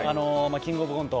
「キングオブコント」